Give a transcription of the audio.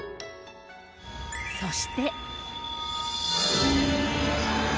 そして。